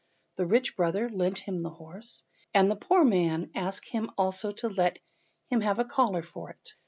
The rich brother lent him the horse, and then the poor one asked him to also let him have a collar for it.